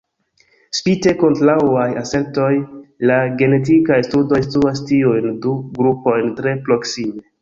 Spite kontraŭaj asertoj, la genetikaj studoj situas tiujn du grupojn tre proksime.